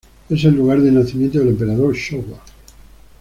Es el lugar de nacimiento del Emperador Shōwa.